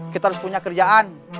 kita harus punya kerjaan